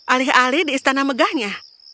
alih alih di istana megahnya